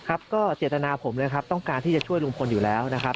ครับก็เจตนาผมเลยครับต้องการที่จะช่วยลุงพลอยู่แล้วนะครับ